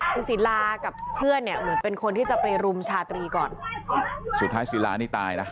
คุณศิลากับเพื่อนเนี่ยเหมือนเป็นคนที่จะไปรุมชาตรีก่อนสุดท้ายศิลานี่ตายนะ